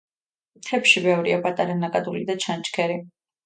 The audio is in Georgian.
მთებში ბევრია პატარა ნაკადული და ჩანჩქერი.